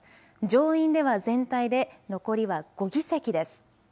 上院では全体で残りは５議席です。